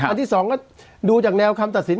อันที่๒ก็ดูจากแนวคำตัดสิน